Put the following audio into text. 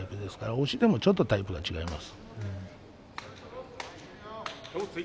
押しでもちょっとタイプが違います。